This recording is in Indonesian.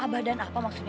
abah dan apa maksudnya